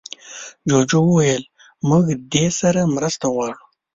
جوجو وویل موږ دې سره مرسته غواړو.